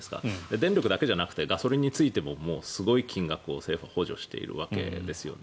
電力だけじゃなくてガソリンについてももうすごい金額を政府は補助しているわけですよね。